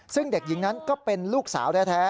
ซึ่งเด็กหญิงนั้นก็เป็นลูกสาวแท้